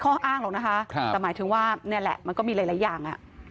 ข้ออ้างหรอกนะคะแต่หมายถึงว่านี่แหละมันก็มีหลายอย่าง